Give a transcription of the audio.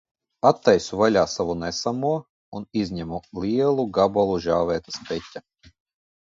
Attaisu vaļā savu nesamo un izņemu lielu gabalu žāvētā speķa.